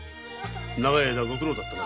長い間ご苦労だったな。